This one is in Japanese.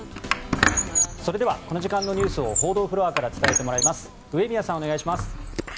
それではこの時間のニュースを報道フロアから伝えてもらいます上宮さん、お願いします。